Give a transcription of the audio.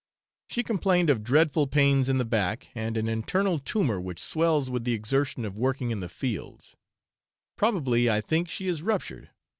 She complained of dreadful pains in the back, and an internal tumour which swells with the exertion of working in the fields; probably, I think, she is ruptured.